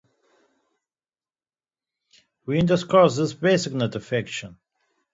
Windows calls this a "basic" notification.